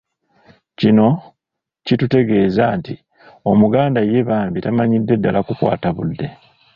Kino kitutegeeza nti Omuganda ye bambi tamanyidde ddala kukwata budde